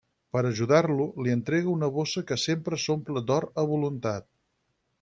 Per ajudar-lo, li entrega una bossa que sempre s'omple d'or a voluntat.